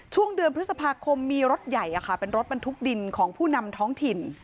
ช่วงเดือนพฤษภาคมมีรถใหญ่เป็นรถบรรทุกดินของผู้นำท้องถิ่น